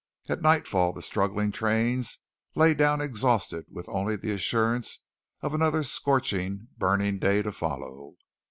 At nightfall the struggling trains lay down exhausted with only the assurance of another scorching, burning day to follow.